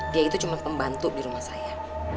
dia itu cuma pembantu di rumah saya